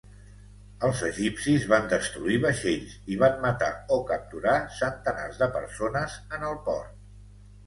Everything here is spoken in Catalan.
Els egipcis van destruir vaixells i van matar o capturar centenars de persones en el port.